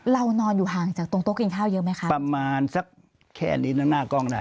นอนอยู่ห่างจากตรงโต๊ะกินข้าวเยอะไหมคะประมาณสักแค่ลิ้นข้างหน้ากล้องได้